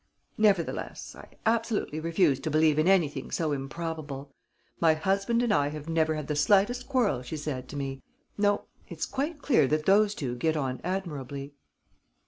"Nevertheless, I absolutely refuse to believe in anything so improbable. 'My husband and I have never had the slightest quarrel,' she said to me. No, it's quite clear that those two get on admirably."